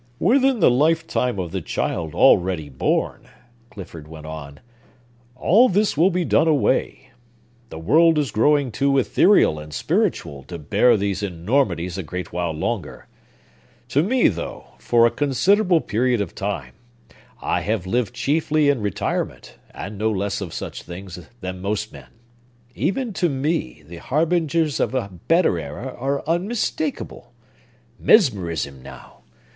"Within the lifetime of the child already born," Clifford went on, "all this will be done away. The world is growing too ethereal and spiritual to bear these enormities a great while longer. To me, though, for a considerable period of time, I have lived chiefly in retirement, and know less of such things than most men,—even to me, the harbingers of a better era are unmistakable. Mesmerism, now!